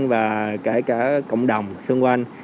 và kể cả cộng đồng xung quanh